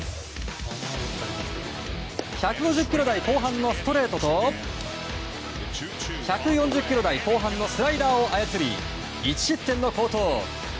１５０キロ台後半のストレートと１４０キロ台後半のスライダーを操り、１失点の好投。